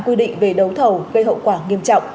quy định về đấu thầu gây hậu quả nghiêm trọng